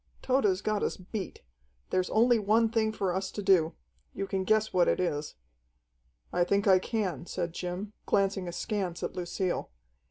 "Tode's got us beat. There's only one thing for us to do. You can guess what it is." "I think I can," said Jim, glancing askance at Lucille.